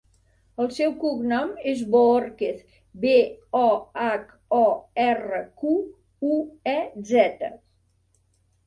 El seu cognom és Bohorquez: be, o, hac, o, erra, cu, u, e, zeta.